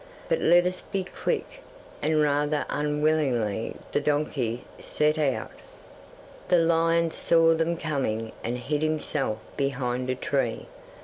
But let us be quick," and rather unwillingly the donkey set out. 'The lion saw them coming and hid himself behind a large tree.